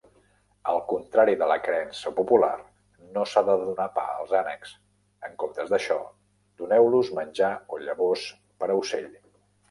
Al contrari de la creença popular, no s'ha de donar pa als ànecs. En comptes d'això, doneu-los menjar o llavors per a ocell.